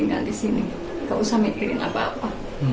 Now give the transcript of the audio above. nggak usah mikirin apa apa